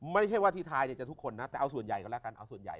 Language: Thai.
ไม่ใช่ว่าที่ทายจะทุกคนนะแต่เอาส่วนใหญ่ก็แล้วกันเอาส่วนใหญ่